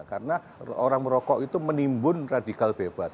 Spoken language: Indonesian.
karena orang merokok itu menimbun radikal bebas